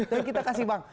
dan kita kasih bang